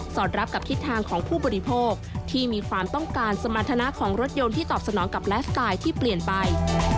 อดรับกับทิศทางของผู้บริโภคที่มีความต้องการสมรรถนะของรถยนต์ที่ตอบสนองกับไลฟ์สไตล์ที่เปลี่ยนไป